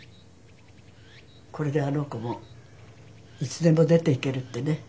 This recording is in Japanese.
これであの子もいつでも出ていけるってね。